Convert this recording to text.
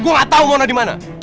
gua gak tau mona dimana